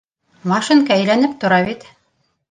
— Машинка әйләнеп тора бит.